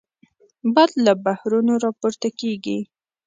باد له بحرونو راپورته کېږي